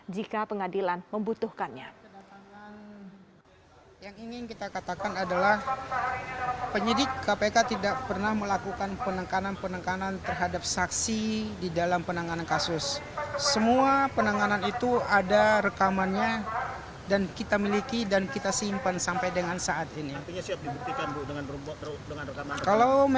jika pengadilan membutuhkannya